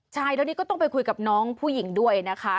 ใช่แล้วนี่ก็ต้องไปคุยกับน้องผู้หญิงด้วยนะคะ